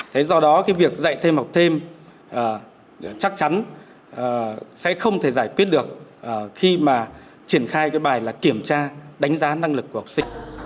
thế do đó cái việc dạy thêm học thêm chắc chắn sẽ không thể giải quyết được khi mà triển khai cái bài là kiểm tra đánh giá năng lực của học sinh